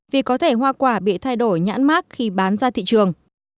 vì có thể hoa quả bị thay đổi nhãn mát khi bán ra thị trường